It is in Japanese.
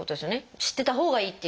知ってたほうがいいっていう。